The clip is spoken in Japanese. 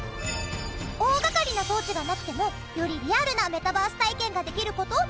大掛かりな装置がなくてもよりリアルなメタバース体験ができる事を目指してるんだって。